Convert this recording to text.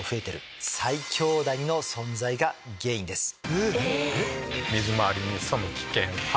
えっ。